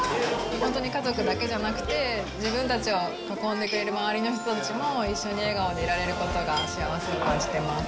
本当に家族だけじゃなくて、自分たちを囲んでくれる周りの人たちも一緒に笑顔でいられることが幸せを感じてます。